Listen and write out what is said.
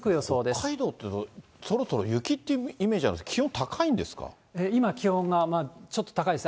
北海道ってそろそろ雪っていうイメージあるんですけど、気温今、気温がちょっと高いですね。